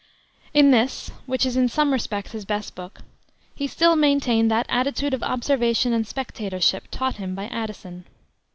In this, which is in some respects his best book, he still maintained that attitude of observation and spectatorship taught him by Addison.